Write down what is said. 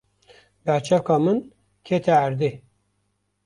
Berçavka min kete erdê.